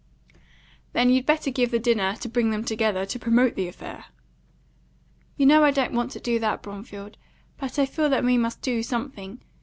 "Then you'd better give the dinner to bring them together, to promote the affair." "You know I don't want to do that, Bromfield. But I feel that we must do something.